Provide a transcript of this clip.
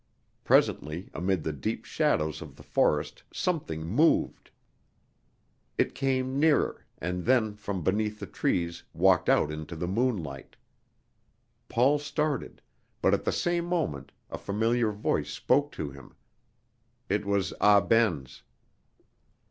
Presently amid the deep shadows of the forest something moved. It came nearer, and then from beneath the trees walked out into the moonlight. Paul started; but at the same moment a familiar voice spoke to him. It was Ah Ben's.